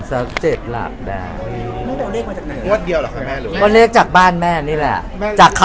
สูงสุดได้เท่าไหร่แม่